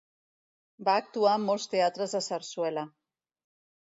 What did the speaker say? Va actuar en molts teatres de sarsuela.